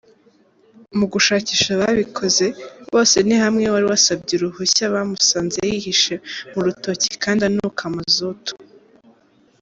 Mu gushakisha ababikoze, Bosenihamwe wari wasabye uruhusa bamusanze yihishe mu rutoki kandi anuka mazutu.